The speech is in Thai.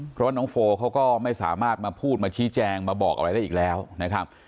เพราะว่าน้องโฟเขาก็ไม่สามารถมาพูดมาชี้แจงมาบอกอะไรได้อีกแล้วนะครับ